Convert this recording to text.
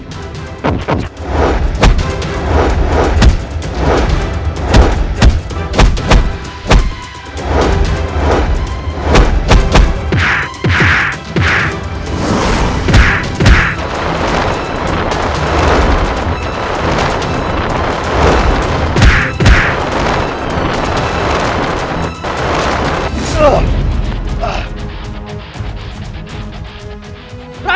aku tidak akan menghapuni